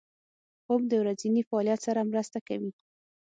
خوب د ورځني فعالیت سره مرسته کوي